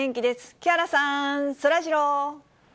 木原さん、そらジロー。